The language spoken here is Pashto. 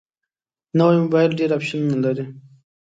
نوی موبایل ډېر اپشنونه لري